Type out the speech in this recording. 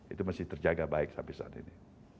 itu masih terjaga baik sampai saat ini